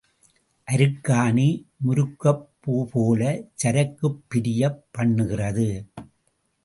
அருக்காணி முருக்கப்பூப்போலச் சரக்குப் பிரியப் பண்ணுகிறது.